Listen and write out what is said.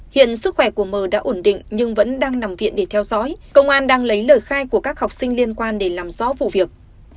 hiện sức khỏe của mờ đã ổn định nhưng vẫn đang nằm viện để theo dõi công an đang lấy lời khai của các học sinh liên quan để làm rõ vụ việc